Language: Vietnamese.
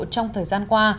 trong thời gian qua